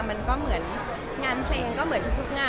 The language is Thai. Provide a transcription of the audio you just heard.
มันก็เหมือนงานเพลงก็เหมือนทุกงาน